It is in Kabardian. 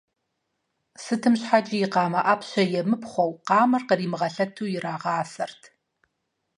Сытым щхьэкӀи и къамэ Ӏэпщэ емыпхъуэу, къамэр къримыгъэлъэту ирагъасэрт.